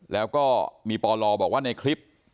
แล้วก็มีปลบอกว่าในคลิป